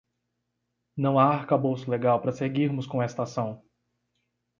Não há arcabouço legal para seguirmos com esta ação